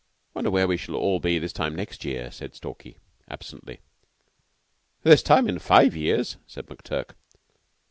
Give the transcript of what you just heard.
"Wonder where we shall all be this time next year?" said Stalky absently. "This time five years," said McTurk.